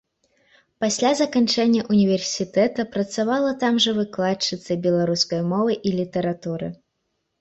Пасля заканчэння ўніверсітэта працавала там жа выкладчыцай беларускай мовы і літаратуры.